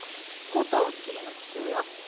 元義理の父親？